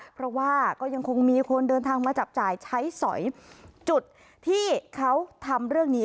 เพราะว่าก็ยังคงมีคนเดินทางมาจับจ่ายใช้สอยจุดที่เขาทำเรื่องนี้